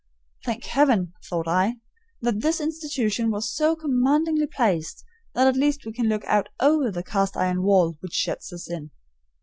"Thank Heaven!" thought I, "that this institution was so commandingly placed that at least we can look out over the cast iron wall which shuts us in."